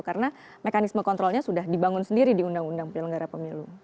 karena mekanisme kontrolnya sudah dibangun sendiri di undang undang penyelenggara pemilu